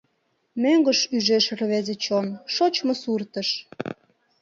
Мӧҥгыш ӱжеш рвезе чон, шочмо суртыш.